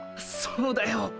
そうだよ